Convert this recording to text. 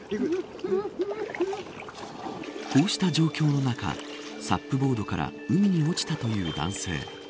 こうした状況の中サップボードから海に落ちたという男性。